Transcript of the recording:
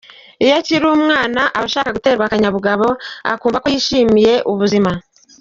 Iyo akiri umwana, aba ashaka guterwa akanyabugabo akumva ko yishimiye ubuzima.